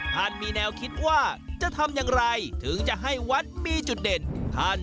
ท่านมีแนวคิดว่าจะทำอย่างไรถึงจะให้วัดมีจุดเด่น